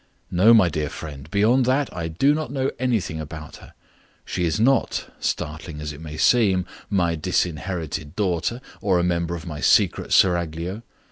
No, my dear friend, beyond that I do not know anything about her. She is not, startling as it may seem, my disinherited daughter, or a member of my secret seraglio.